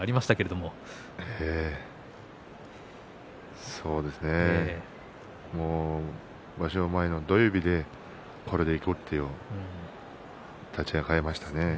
もう場所前の土曜日でこれでいこうと立ち合いを変えましたね。